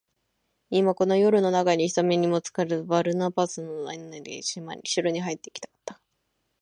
今、この夜なかに、人目にもつかず、バルナバスの案内で城へ入っていきたかった。しかし、そのバルナバスは、これまで Ｋ に思われていたように、